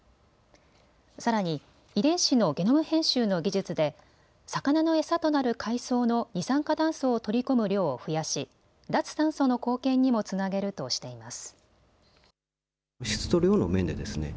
さらに遺伝子のゲノム編集の技術で魚の餌となる海藻の二酸化炭素を取り込む量を増やし、脱炭素の貢献にもつなげるとしています。